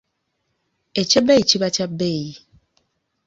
Eky’ebbeeyi kiba kya bbeeyi.